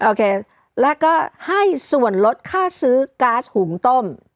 โอเคแล้วก็ให้ส่วนลดค่าซื้อก๊าซหุงต้ม